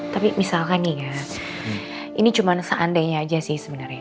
tapi misalkan ya ini cuma seandainya aja sih sebenarnya